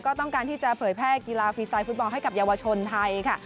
ก็ต้องการที่จะเผยแพร่กีฬาฟรีไซด์ฟุตบอลให้กับเยาวชนไทยค่ะ